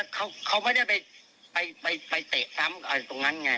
เขาเป็นมวยมั้ยเขาเป็นไงแต่เขาไม่ได้ไปเตะซ้ำตรงนั้นไง